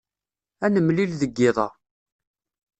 Ad nemlil deg yiḍ-a.